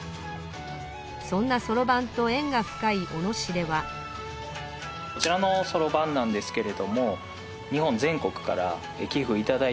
そんなそろばんと縁が深い小野市ではこちらのそろばんなんですけれども。